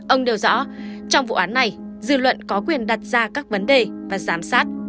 ông đều rõ trong vụ án này dư luận có quyền đặt ra các vấn đề và giám sát